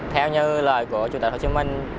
theo như lời của chủ tịch hồ chí minh